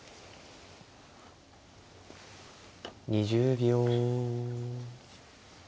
２０秒。